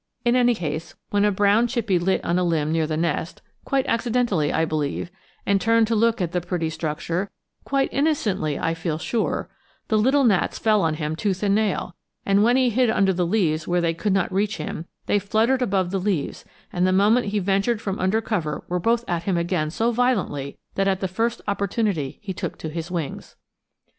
In any case, when a brown chippie lit on a limb near the nest, quite accidentally I believe, and turned to look at the pretty structure, quite innocently I feel sure, the little gnats fell on him tooth and nail, and when he hid under the leaves where they could not reach him they fluttered above the leaves, and the moment he ventured from under cover were both at him again so violently that at the first opportunity he took to his wings.